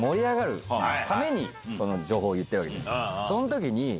その時に。